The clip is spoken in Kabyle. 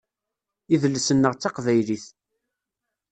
Idles-nneɣ d taqbaylit.